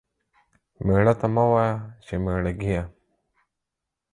ميړه ته مه وايه چې ميړه گيه.